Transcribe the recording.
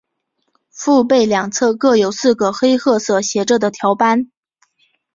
腹背两侧各有四个黑褐色斜着的条斑。